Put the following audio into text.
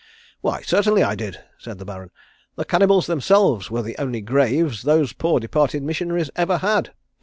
_] "Why certainly I did," said the Baron. "The cannibals themselves were the only graves those poor departed missionaries ever had.